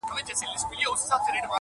چي ایرې کېمیا کوي هغه اکسیر یم٫